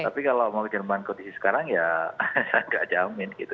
tapi kalau mau ke jerman kondisi sekarang ya saya enggak jamin gitu